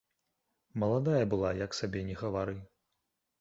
Маладая была, як сабе ні гавары.